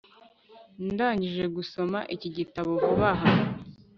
ndangije gusoma iki gitabo vuba aha